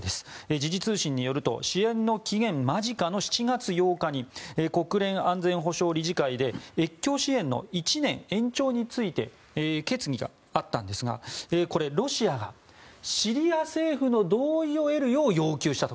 時事通信によると支援の期限間近の７月８日に国連安全保障理事会で越境支援の１年延長について決議があったんですがこれ、ロシアがシリア政府の同意を得るよう要求したと。